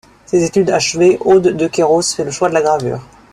Ses études achevées, Aude de Kerros fait le choix de la gravure.